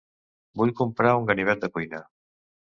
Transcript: Vull comprar un ganivet de cuina.